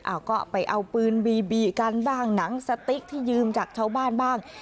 เอาก็ไปเอาปืนบีบีกันบ้างหนังสติ๊กที่ยืมจากชาวบ้านบ้าง